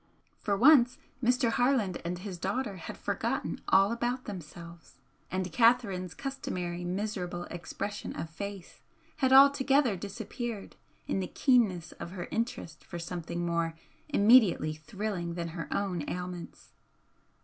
For once Mr. Harland and his daughter had forgotten all about themselves, and Catherine's customary miserable expression of face had altogether disappeared in the keenness of her interest for something more immediately thrilling than her own ailments.